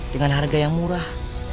dengan harga yang murah